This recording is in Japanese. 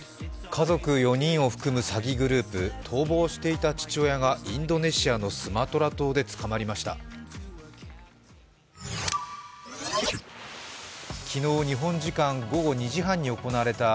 家族４人を含む詐欺グループ逃亡していた父親がインドネシアのスマトラ島で捕まりました。